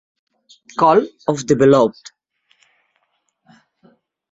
'Call of the Beloved'.